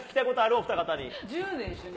お二方に。